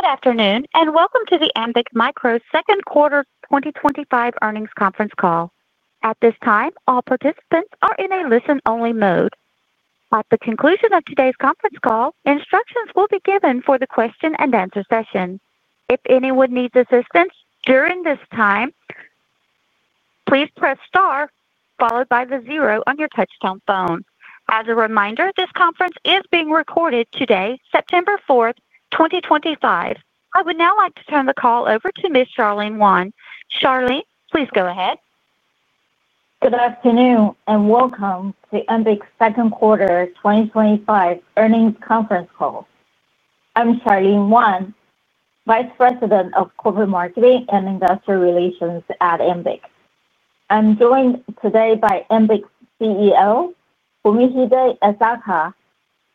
Good afternoon and welcome to the Ambiq Micro Second Quarter 2025 Earnings Conference Call. At this time, all participants are in a listen-only mode. At the conclusion of today's conference call, instructions will be given for the question-and-answer session. If anyone needs assistance during this time, please press Star followed by the zero on your touch-tone phone. As a reminder, this conference is being recorded today, September 4, 2025. I would now like to turn the call over to Ms. Charlene Wan. Charlene, please go ahead. Good afternoon and welcome to the Ambiq Second Quarter 2025 Earnings Conference Call. I'm Charlene Wan, Vice President of Corporate Marketing and Industrial Relations at Ambiq. I'm joined today by Ambiq's CEO, Fumihide Asaka,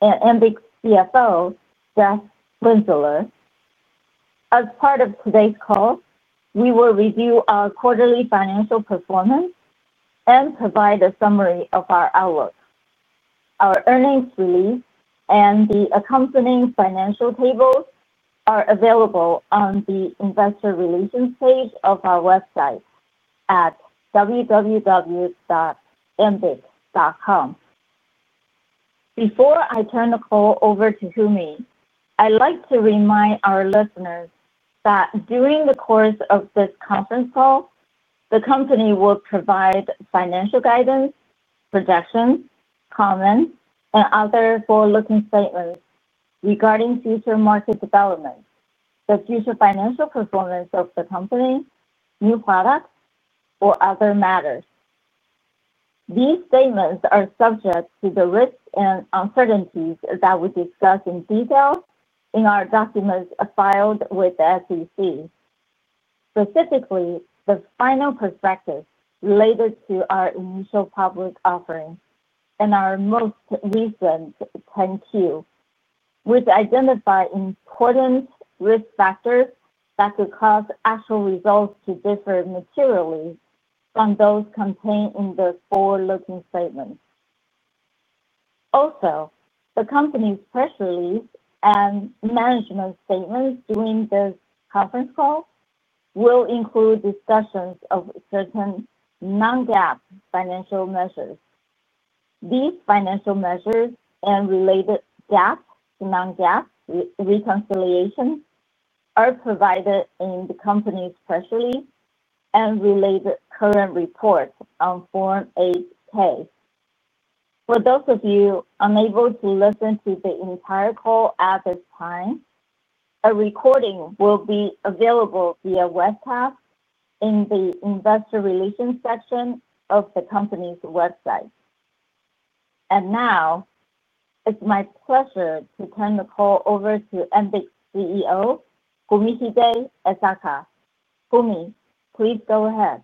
and Ambiq's CFO, Jacques Cornet. As part of today's call, we will review our quarterly financial performance and provide a summary of our outlook. Our earnings release and the accompanying financial tables are available on the Investor Relations page of our website at www.ambiq.com. Before I turn the call over to Fumi, I'd like to remind our listeners that during the course of this conference call, the company will provide financial guidance, projections, comments, and other forward-looking statements regarding future market development, the future financial performance of the company, new products, or other matters. These statements are subject to the risks and uncertainties that we discuss in detail in our documents filed with the SEC. Specifically, the final perspective related to our initial public offering and our most recent 10-Q, which identify important risk factors that could cause actual results to differ materially from those contained in the forward-looking statements. Also, the company's press release and management statements during this conference call will include discussions of certain non-GAAP financial measures. These financial measures and related GAAP to non-GAAP reconciliations are provided in the company's press release and related current reports on Form 8-K. For those of you unable to listen to the entire call at the time, a recording will be available via webcast in the Industrial Relations section of the company's website. Now, it's my pleasure to turn the call over to Ambiq CEO, Fumihide Asaka. Fumi, please go ahead.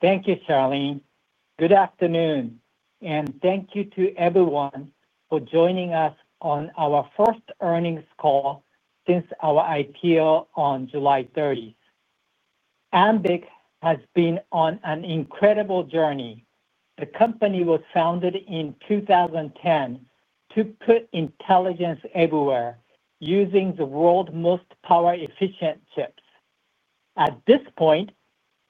Thank you, Charlene. Good afternoon, and thank you to everyone for joining us on our first earnings call since our IPO on July 30. Ambiq has been on an incredible journey. The company was founded in 2010 to put intelligence everywhere, using the world's most power-efficient chips. At this point,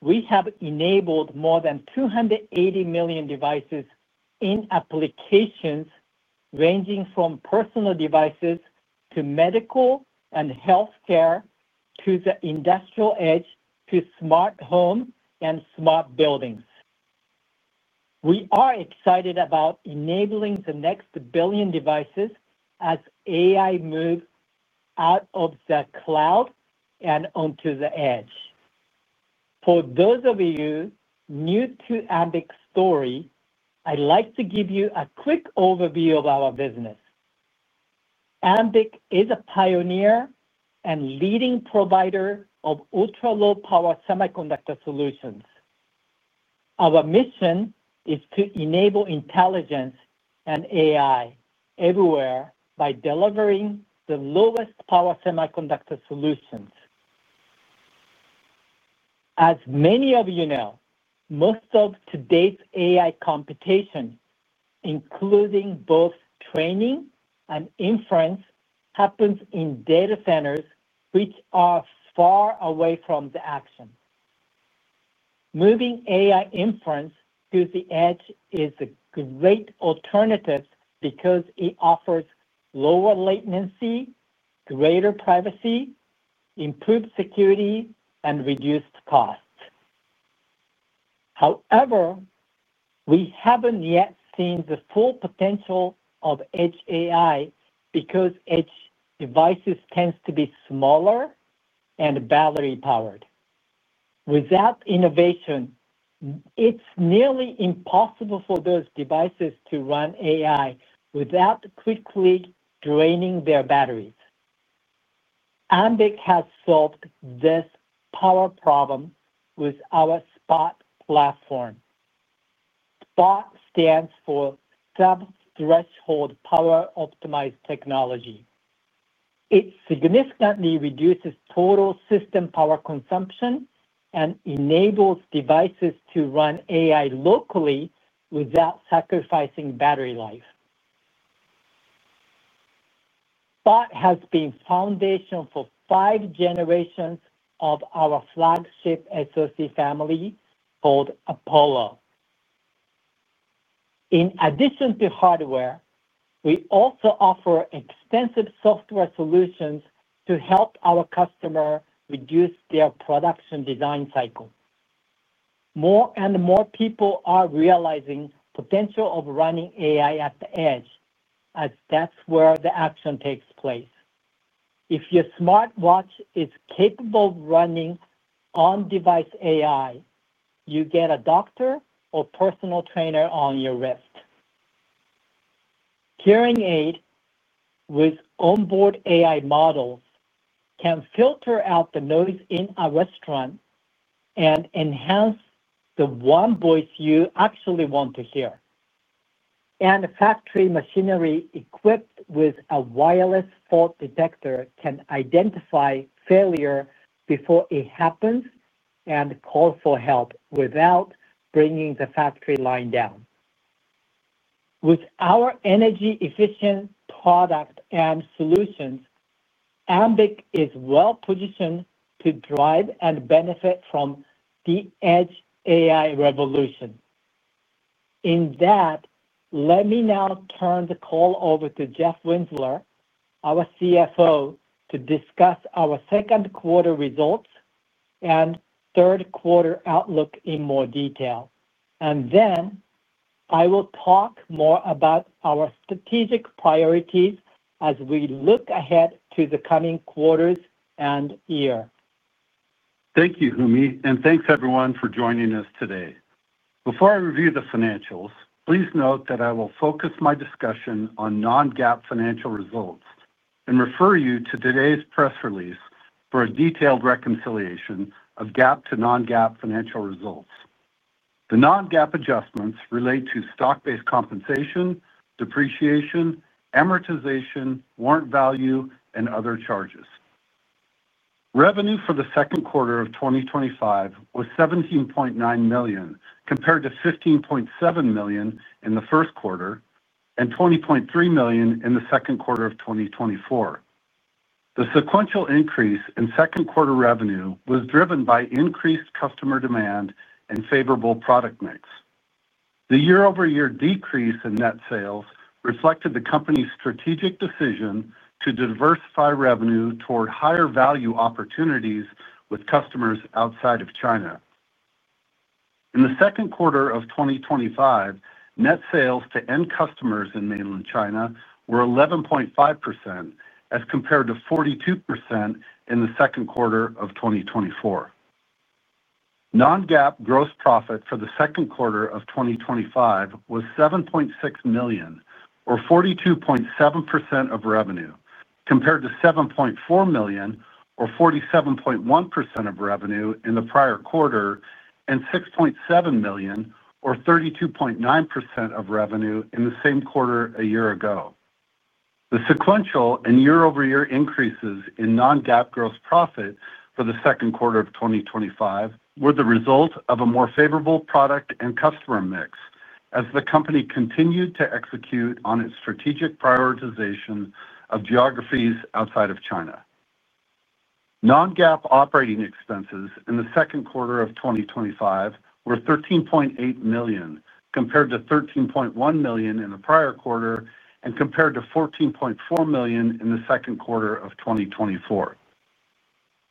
we have enabled more than 280 million devices in applications ranging from personal devices to medical and healthcare, to the industrial edge, to smart homes and smart buildings. We are excited about enabling the next billion devices as AI moves out of the cloud and onto the edge. For those of you new to Ambiq's story, I'd like to give you a quick overview of our business. Ambiq is a pioneer and leading provider of ultra-low-power semiconductor solutions. Our mission is to enable intelligence and AI everywhere by delivering the lowest power semiconductor solutions. As many of you know, most of today's AI computation, including both training and inference, happens in data centers, which are far away from the action. Moving AI inference to the edge is a great alternative because it offers lower latency, greater privacy, improved security, and reduced costs. However, we haven't yet seen the full potential of edge AI because edge devices tend to be smaller and battery-powered. Without innovation, it's nearly impossible for those devices to run AI without quickly draining their batteries. Ambiq has solved this power problem with our SPOT platform. SPOT stands for Sub-Threshold Power Optimized Technology. It significantly reduces total system power consumption and enables devices to run AI locally without sacrificing battery life. SPOT has been foundational for five generations of our flagship SoC family called Apollo. In addition to hardware, we also offer extensive software solutions to help our customers reduce their production design cycle. More and more people are realizing the potential of running AI at the edge, as that's where the action takes place. If your smartwatch is capable of running on-device AI, you get a doctor or personal trainer on your wrist. Hearing aids with onboard AI models can filter out the noise in a restaurant and enhance the one voice you actually want to hear. Factory machinery equipped with a wireless fault detector can identify failure before it happens and call for help without bringing the factory line down. With our energy-efficient product and solutions, Ambiq is well-positioned to drive and benefit from the edge AI revolution. Let me now turn the call over to Jeff Winzeler, our CFO, to discuss our second quarter results and third quarter outlook in more detail. I will talk more about our strategic priorities as we look ahead to the coming quarters and year. Thank you, Fumi, and thanks everyone for joining us today. Before I review the financials, please note that I will focus my discussion on non-GAAP financial results and refer you to today's press release for a detailed reconciliation of GAAP to non-GAAP financial results. The non-GAAP adjustments relate to stock-based compensation, depreciation, amortization, warrant value, and other charges. Revenue for the second quarter of 2025 was $17.9 million, compared to $15.7 million in the first quarter and $20.3 million in the second quarter of 2024. The sequential increase in second quarter revenue was driven by increased customer demand and favorable product mix. The year-over-year decrease in net sales reflected the company's strategic decision to diversify revenue toward higher value opportunities with customers outside of China. In the second quarter of 2025, net sales to end customers in mainland China were 11.5%, as compared to 42% in the second quarter of 2024. Non-GAAP gross profit for the second quarter of 2025 was $7.6 million, or 42.7% of revenue, compared to $7.4 million, or 47.1% of revenue in the prior quarter, and $6.7 million, or 32.9% of revenue in the same quarter a year ago. The sequential and year-over-year increases in non-GAAP gross profit for the second quarter of 2025 were the result of a more favorable product and customer mix, as the company continued to execute on its strategic prioritization of geographies outside of China. Non-GAAP operating expenses in the second quarter of 2025 were $13.8 million, compared to $13.1 million in the prior quarter, and compared to $14.4 million in the second quarter of 2024.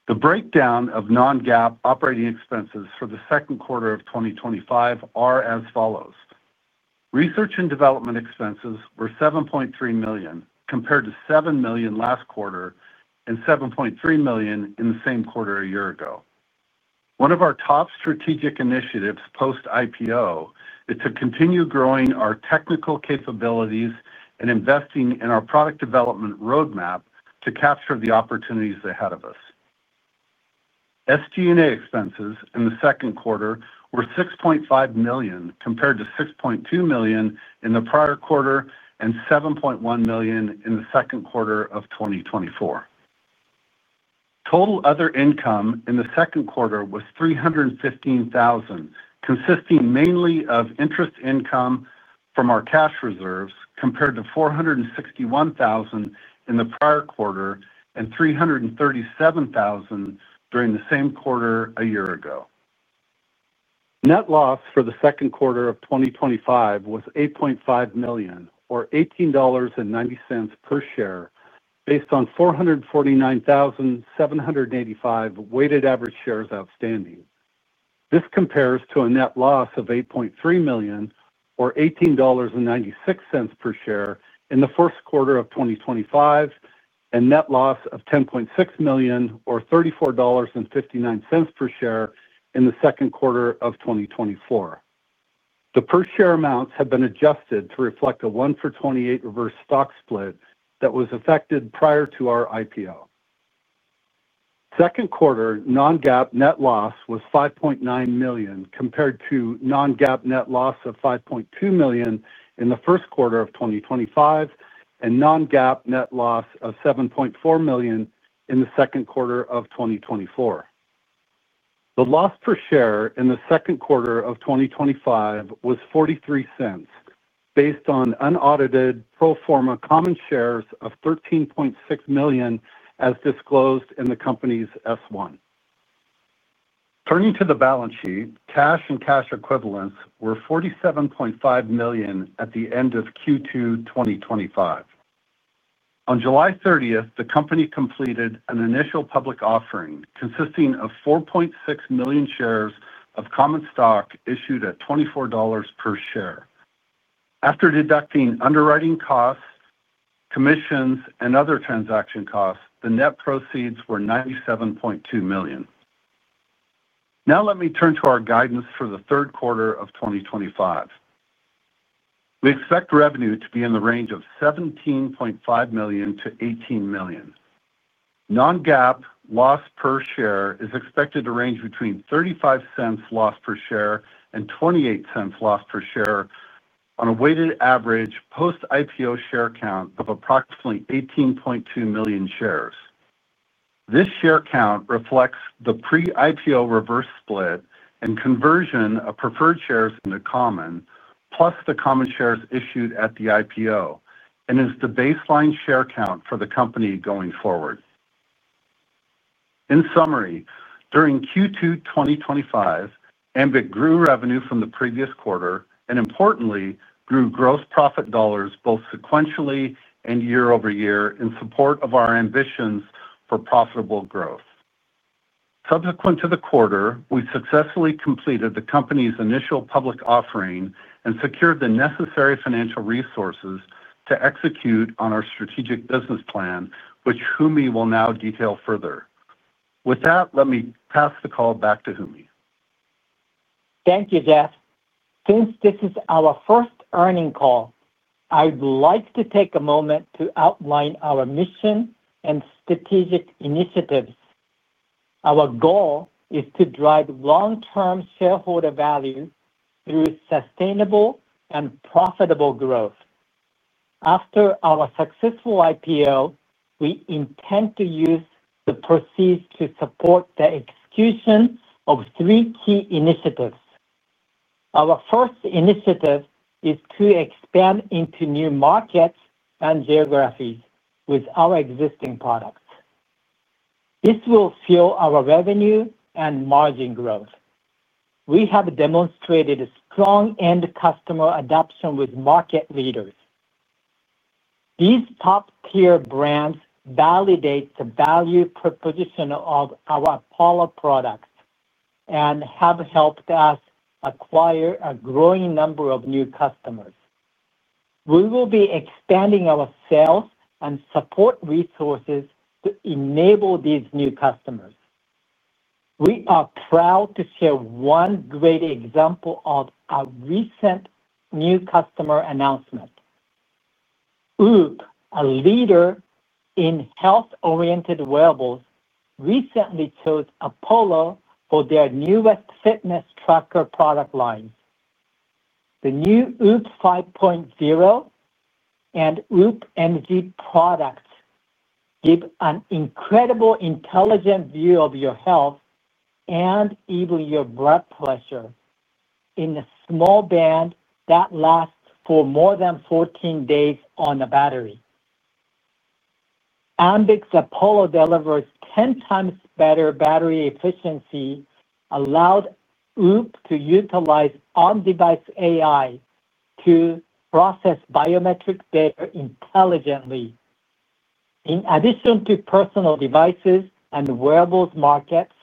The breakdown of non-GAAP operating expenses for the second quarter of 2025 are as follows: Research and development expenses were $7.3 million, compared to $7 million last quarter and $7.3 million in the same quarter a year ago. One of our top strategic initiatives post-IPO is to continue growing our technical capabilities and investing in our product development roadmap to capture the opportunities ahead of us. SG&A expenses in the second quarter were $6.5 million, compared to $6.2 million in the prior quarter and $7.1 million in the second quarter of 2024. Total other income in the second quarter was $315,000, consisting mainly of interest income from our cash reserves, compared to $461,000 in the prior quarter and $337,000 during the same quarter a year ago. Net loss for the second quarter of 2025 was $8.5 million, or $18.90 per share, based on 449,785 weighted average shares outstanding. This compares to a net loss of $8.3 million, or $18.96 per share in the first quarter of 2025, and net loss of $10.6 million, or $34.59 per share in the second quarter of 2024. The per share amounts have been adjusted to reflect a one-for-28 reverse stock split that was effected prior to our IPO. Second quarter non-GAAP net loss was $5.9 million, compared to non-GAAP net loss of $5.2 million in the first quarter of 2025 and non-GAAP net loss of $7.4 million in the second quarter of 2024. The loss per share in the second quarter of 2025 was $0.43, based on unaudited pro forma common shares of 13.6 million, as disclosed in the company's S-1. Turning to the balance sheet, cash and cash equivalents were $47.5 million at the end of Q2 2025. On July 30, the company completed an initial public offering consisting of 4.6 million shares of common stock issued at $24 per share. After deducting underwriting costs, commissions, and other transaction costs, the net proceeds were $97.2 million. Now let me turn to our guidance for the third quarter of 2025. We expect revenue to be in the range of $17.5 million-$18 million. Non-GAAP loss per share is expected to range between $0.35 loss per share and $0.28 loss per share on a weighted average post-IPO share count of approximately 18.2 million shares. This share count reflects the pre-IPO reverse split and conversion of preferred shares into common, plus the common shares issued at the IPO, and is the baseline share count for the company going forward. In summary, during Q2 2025, Ambiq grew revenue from the previous quarter and, importantly, grew gross profit dollars both sequentially and year-over-year in support of our ambitions for profitable growth. Subsequent to the quarter, we successfully completed the company's initial public offering and secured the necessary financial resources to execute on our strategic business plan, which Fumi will now detail further. With that, let me pass the call back to Fumi. Thank you, Jeff. Since this is our first earnings call, I'd like to take a moment to outline our mission and strategic initiatives. Our goal is to drive long-term shareholder value through sustainable and profitable growth. After our successful IPO, we intend to use the proceeds to support the execution of three key initiatives. Our first initiative is to expand into new markets and geographies with our existing products. This will fuel our revenue and margin growth. We have demonstrated strong end-customer adoption with market leaders. These top-tier brands validate the value proposition of our Apollo products and have helped us acquire a growing number of new customers. We will be expanding our sales and support resources to enable these new customers. We are proud to share one great example of a recent new customer announcement. WHOOP, a leader in health-oriented wearables, recently chose Apollo for their newest fitness tracker product line. The new WHOOP 5.0 and WHOOP Energy products give an incredible intelligent view of your health and even your blood pressure in a small band that lasts for more than 14 days on a battery. Ambiq's Apollo delivers 10x better battery efficiency, allowing WHOOP to utilize on-device AI to process biometric data intelligently. In addition to personal devices and wearables markets,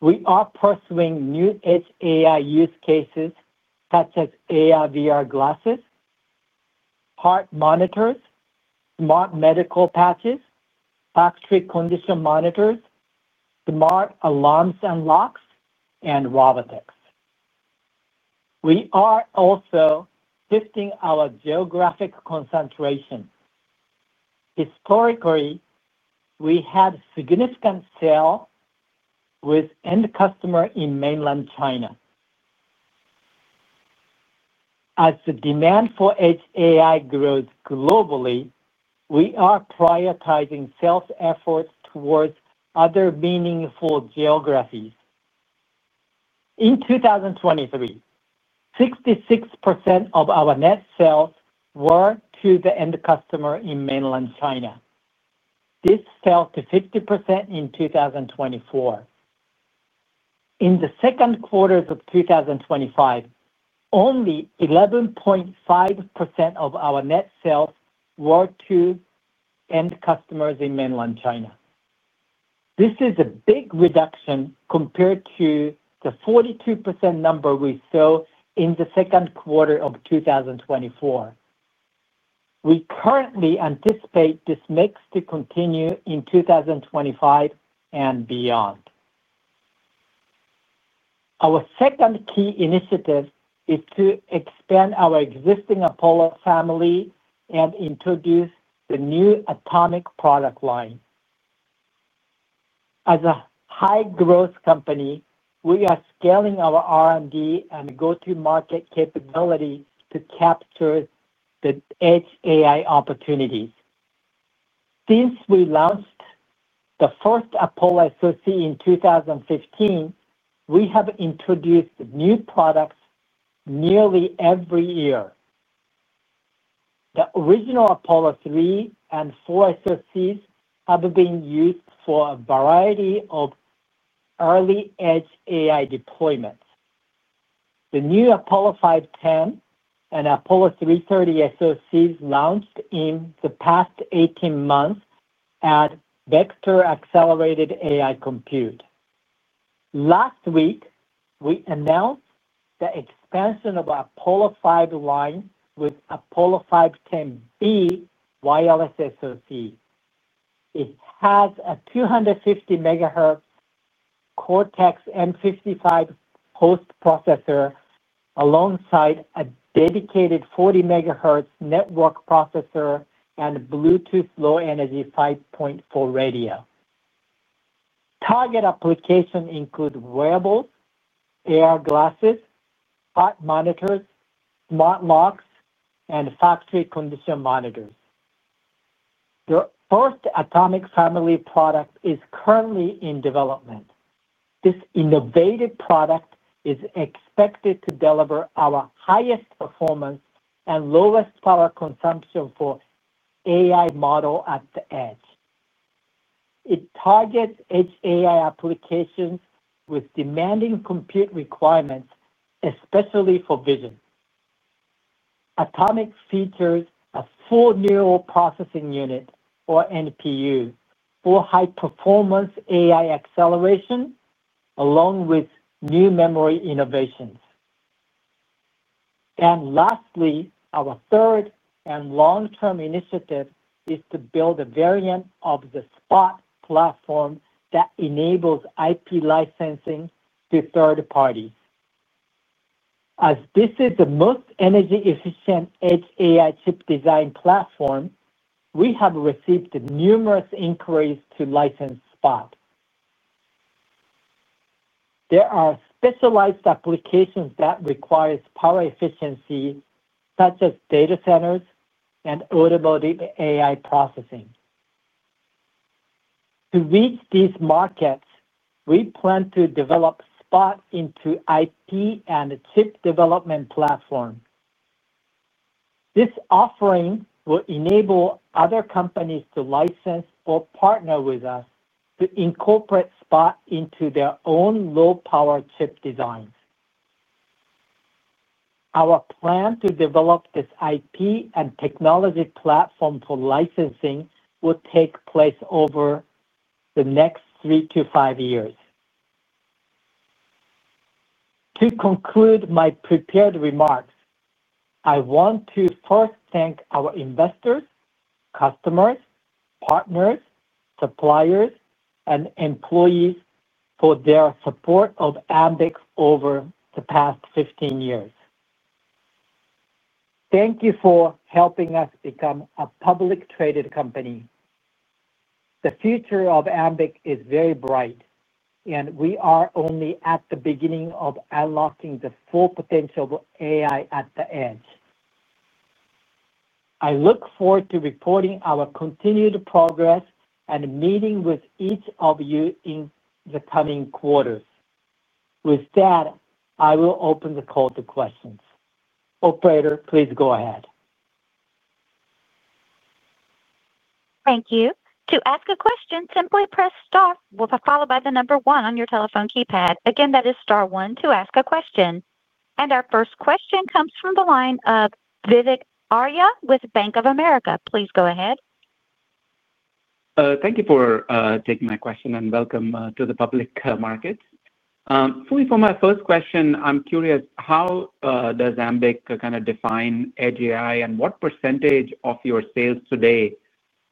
we are pursuing new edge AI use cases such as AR/VR glasses, heart monitors, smart medical patches, factory condition monitors, smart alarms and locks, and robotics. We are also shifting our geographic concentration. Historically, we had significant sales with end customers in mainland China. As the demand for edge AI grows globally, we are prioritizing sales efforts towards other meaningful geographies. In 2023, 66% of our net sales were to the end customer in mainland China. This fell to 50% in 2024. In the second quarter of 2025, only 11.5% of our net sales were to end customers in mainland China. This is a big reduction compared to the 42% number we saw in the second quarter of 2024. We currently anticipate this mix to continue in 2025 and beyond. Our second key initiative is to expand our existing Apollo family and introduce the new Atomiq product line. As a high-growth company, we are scaling our R&D and go-to-market capability to capture the edge AI opportunities. Since we launched the first Apollo SoC in 2015, we have introduced new products nearly every year. The original Apollo 3 and 4 SoCs have been used for a variety of early edge AI deployments. The new Apollo 510 and Apollo 330 SoCs launched in the past 18 months at Baxter Accelerated AI Compute. Last week, we announced the expansion of our Apollo 5 line with Apollo 510B wireless SoC. It has a 250 MHz Cortex-M55 host processor alongside a dedicated 40 MHz network processor and Bluetooth Low Energy 5.4 radio. Target applications include wearables, AR/VR glasses, smart monitors, smart locks, and factory condition monitors. The first Atomiq family product is currently in development. This innovative product is expected to deliver our highest performance and lowest power consumption for AI models at the edge. It targets edge AI applications with demanding compute requirements, especially for vision. Atomiq features a full neural processing unit, or NPU, for high-performance AI acceleration, along with new memory innovations. Lastly, our third and long-term initiative is to build a variant of the SPOT platform that enables IP licensing to third parties. As this is the most energy-efficient edge AI chip design platform, we have received numerous inquiries to license SPOT. There are specialized applications that require power efficiency, such as data centers and automated AI processing. To reach these markets, we plan to develop SPOT into an IP and chip development platform. This offering will enable other companies to license or partner with us to incorporate SPOT into their own low-power chip designs. Our plan to develop this IP and technology platform for licensing will take place over the next three to five years. To conclude my prepared remarks, I want to first thank our investors, customers, partners, suppliers, and employees for their support of Ambiq over the past 15 years. Thank you for helping us become a publicly-traded company. The future of Ambiq is very bright, and we are only at the beginning of unlocking the full potential of AI at the edge. I look forward to reporting our continued progress and meeting with each of you in the coming quarters. With that, I will open the call to questions. Operator, please go ahead. Thank you. To ask a question, simply press Star followed by the number one on your telephone keypad. Again, that is Star, one to ask a `question. Our first question comes from the line of Vivek Arya with Bank of America. Please go ahead. Thank you for taking my question and welcome to the public markets. Fumi, for my first question, I'm curious, how does Ambiq kind of define edge AI and what percentage of your sales today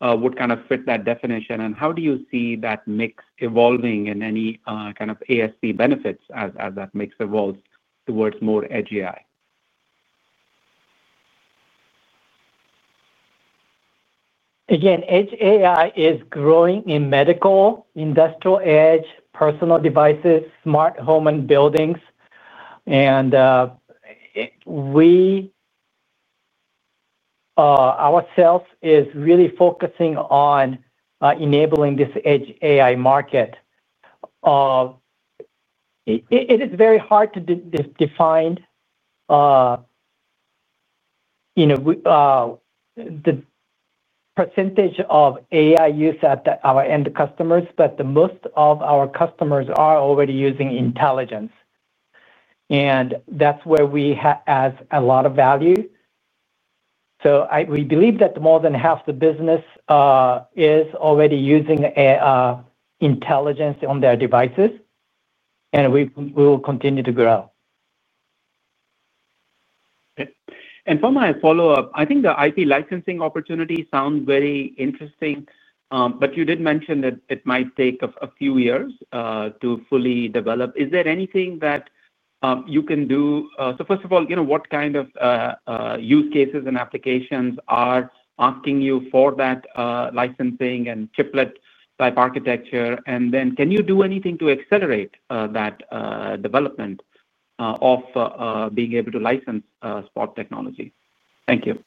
would kind of fit that definition? How do you see that mix evolving in any kind of ASP benefits as that mix evolves towards more edge AI? Again, edge AI is growing in medical, industrial edge, personal devices, smart homes, and buildings. We ourselves are really focusing on enabling this edge AI market. It is very hard to define the percentage of AI use at our end customers, but most of our customers are already using intelligence. That's where we have a lot of value. We believe that more than half the business is already using intelligence on their devices. We will continue to grow. For my follow-up, I think the IP licensing opportunities sound very interesting, but you did mention that it might take a few years to fully develop. Is there anything that you can do? First of all, you know what kind of use cases and applications are asking you for that licensing and chiplet-type architecture? Can you do anything to accelerate that development of being able to license SPOT technology? Thank you.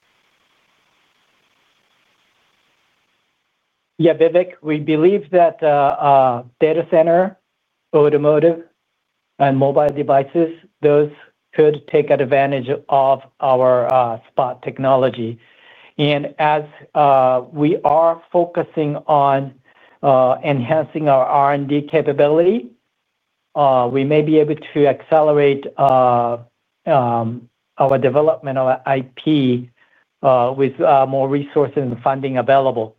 Yeah, Vivek, we believe that data center, automotive, and mobile devices could take advantage of our SPOT technology. As we are focusing on enhancing our R&D capability, we may be able to accelerate our development of IP with more resources and funding available.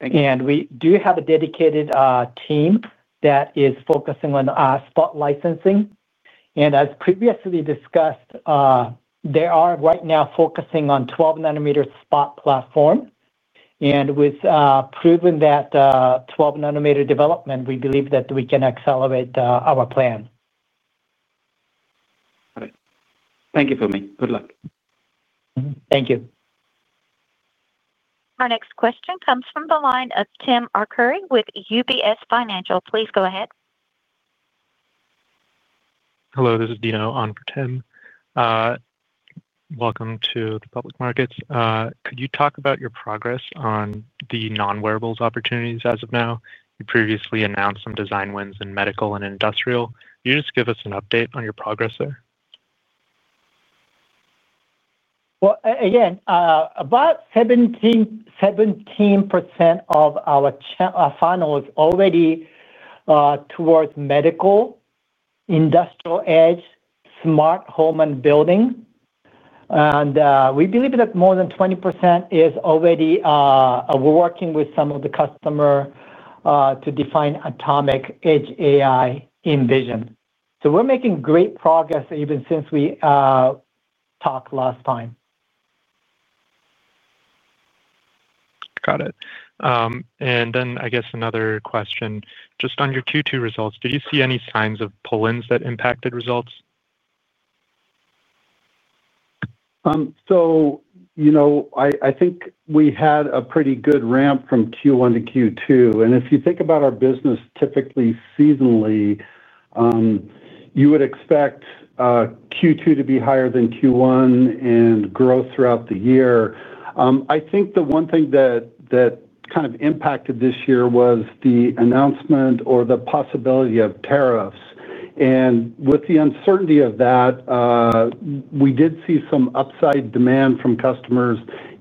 Thank you. We do have a dedicated team that is focusing on SPOT licensing. As previously discussed, they are right now focusing on a 12-nm SPOT platform. With proven 12-nm development, we believe that we can accelerate our plan. Got it. Thank you, Fumi. Good luck. Thank you. Our next question comes from the line of Tim Arcuri with UBS Financial. Please go ahead. Hello, this is Dino on for Tim. Welcome to the public markets. Could you talk about your progress on the non-wearables opportunities as of now? You previously announced some design wins in medical and industrial. Could you just give us an update on your progress there? About 17% of our finals are already towards medical, industrial edge, smart home, and building. We believe that more than 20% is already working with some of the customers to define Atomiq edge AI in vision. We're making great progress even since we talked last time. Got it. I guess another question. Just on your Q2 results, did you see any signs of pull-ins that impacted results? I think we had a pretty good ramp from Q1-Q2. If you think about our business typically seasonally, you would expect Q2 to be higher than Q1 and growth throughout the year. I think the one thing that kind of impacted this year was the announcement or the possibility of tariffs. With the uncertainty of that, we did see some upside demand from customers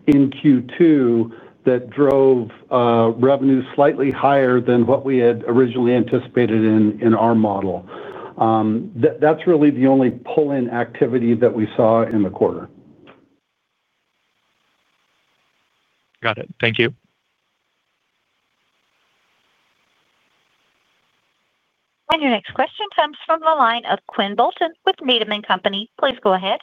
in Q2 that drove revenue slightly higher than what we had originally anticipated in our model. That's really the only pull-in activity that we saw in the quarter. Got it. Thank you. Your next question comes from the line of Quinn Bolton with Needham & Company. Please go ahead.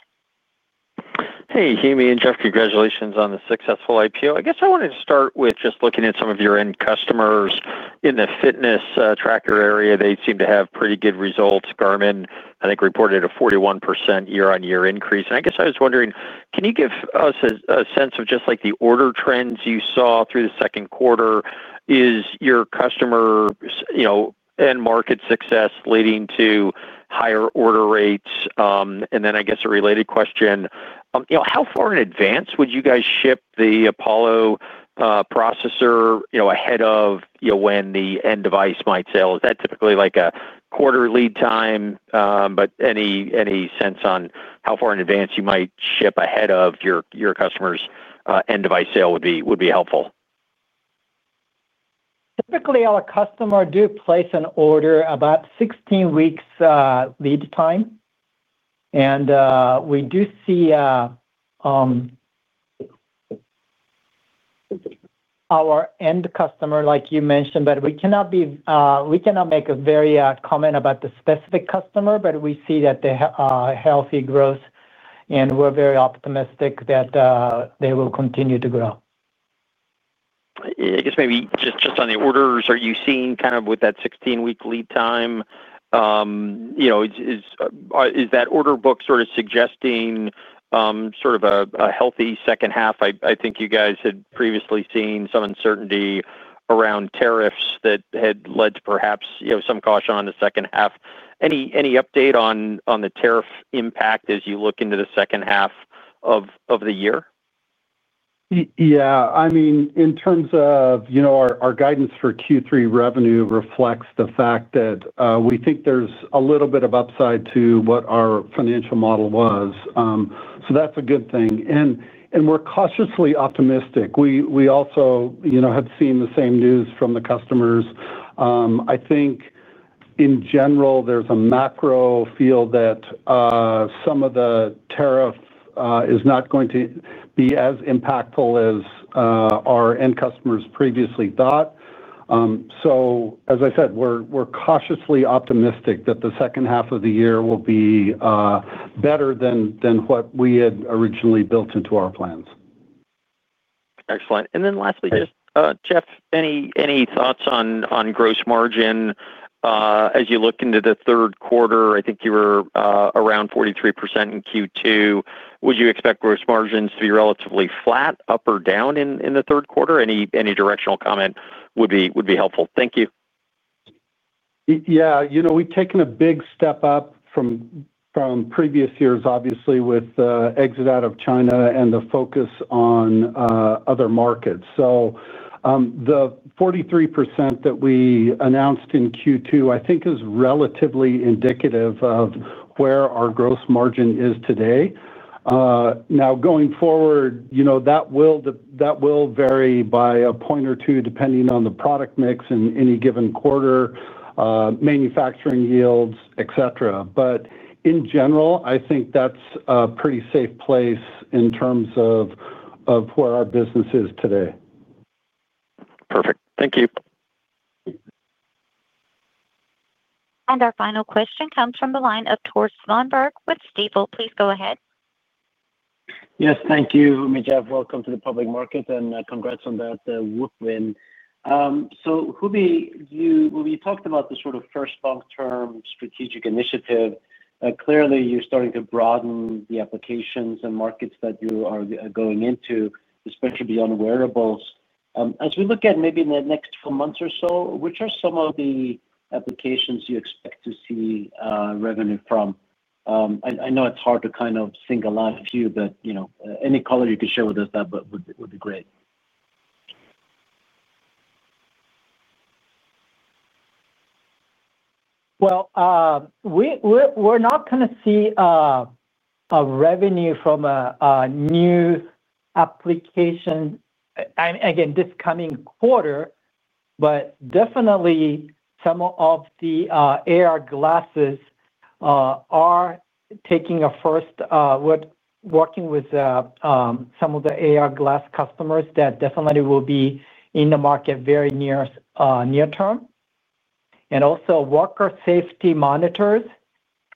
Hey, Jamie, and Jeff, congratulations on the successful IPO. I guess I wanted to start with just looking at some of your end customers in the fitness tracker area. They seem to have pretty good results. Garmin, I think, reported a 41% year-on-year increase. I guess I was wondering, can you give us a sense of just like the order trends you saw through the second quarter? Is your customer end market success leading to higher order rates? I guess a related question, how far in advance would you guys ship the Apollo processor ahead of when the end device might sale? Is that typically like a quarter lead time? Any sense on how far in advance you might ship ahead of your customer's end device sale would be helpful. Typically, our customers do place an order about 16 weeks lead time. We do see our end customer, like you mentioned, but we cannot make a very comment about the specific customer. We see that they have healthy growth, and we're very optimistic that they will continue to grow. I guess maybe just on the orders, are you seeing kind of with that 16-week lead time, is that order book suggesting a healthy second half? I think you guys had previously seen some uncertainty around tariffs that had led to perhaps some caution on the second half. Any update on the tariff impact as you look into the second half of the year? Yeah, I mean, in terms of our guidance for Q3 revenue, it reflects the fact that we think there's a little bit of upside to what our financial model was. That's a good thing, and we're cautiously optimistic. We also have seen the same news from the customers. I think in general, there's a macro feel that some of the tariff is not going to be as impactful as our end customers previously thought. We're cautiously optimistic that the second half of the year will be better than what we had originally built into our plans. Excellent. Lastly, Jeff, any thoughts on gross margin as you look into the third quarter? I think you were around 43% in Q2. Would you expect gross margins to be relatively flat, up, or down in the third quarter? Any directional comment would be helpful. Thank you. Yeah, you know, we've taken a big step up from previous years, obviously, with the exit out of China and the focus on other markets. The 43% that we announced in Q2, I think, is relatively indicative of where our gross margin is today. Now, going forward, you know, that will vary by a point or two, depending on the product mix in any given quarter, manufacturing yields, etc. In general, I think that's a pretty safe place in terms of where our business is today. Perfect. Thank you. Our final question comes from the line of Tor Swenberg with Stapel. Please go ahead. Yes, thank you. Fumi, Jeff, welcome to the public market and congrats on that WHOOP win. Fumi, you talked about the sort of first long-term strategic initiative. Clearly, you're starting to broaden the applications and markets that you are going into, especially beyond wearables. As we look at maybe in the next few months or so, which are some of the applications you expect to see revenue from? I know it's hard to kind of single out a few, but you know, any color you could share with us, that would be great. We're not going to see revenue from a new application again this coming quarter, but definitely some of the AR glasses are taking a first look at working with some of the AR glasses customers that definitely will be in the market very near term. Also, walker safety monitors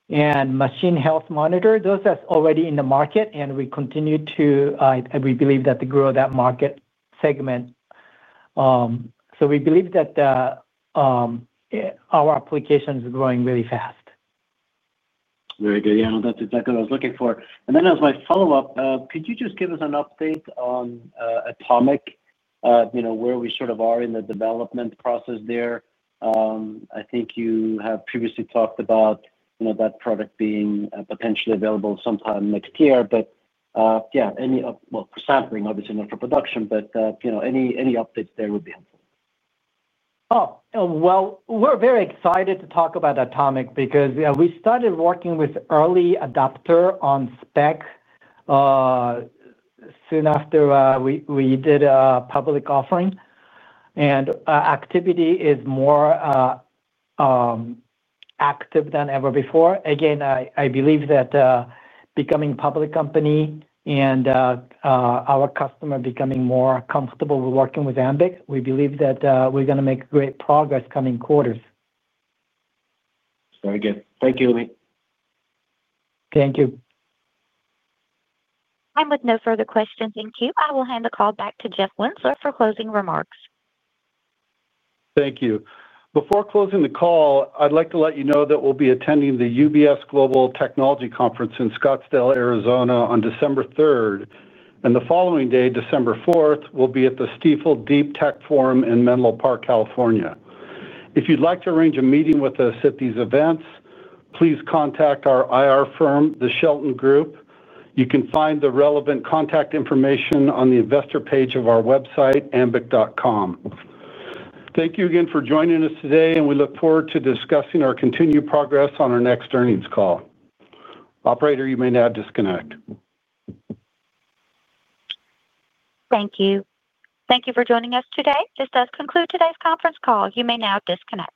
and machine health monitors, those are already in the market, and we continue to, we believe, grow that market segment. We believe that our application is growing really fast. Very good. Yeah, I know that's exactly what I was looking for. As my follow-up, could you just give us an update on Atomiq, you know, where we sort of are in the development process there? I think you have previously talked about, you know, that product being potentially available sometime next year, but yeah, any, for sampling obviously, not for production, but you know, any updates there would be helpful. Oh, we're very excited to talk about Atomiq because we started working with an early adopter on spec soon after we did a public offering. Activity is more active than ever before. I believe that becoming a public company and our customer becoming more comfortable with working with Ambiq, we believe that we're going to make great progress coming quarters. Very good. Thank you, Fumi. Thank you. With no further questions, I will hand the call back to Jeff Winzeler for closing remarks. Thank you. Before closing the call, I'd like to let you know that we'll be attending the UBS Global Technology Conference in Scottsdale, Arizona, on December 3rd. The following day, December 4th, we'll be at the Steeple Deep Tech Forum in Menlo Park, California. If you'd like to arrange a meeting with us at these events, please contact our IR firm, The Shelton Group. You can find the relevant contact information on the Investor page of our website, ambiq.com. Thank you again for joining us today, and we look forward to discussing our continued progress on our next earnings call. Operator, you may now disconnect. Thank you. Thank you for joining us today. This does conclude today's conference call. You may now disconnect.